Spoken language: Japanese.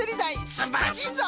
すんばらしいぞい！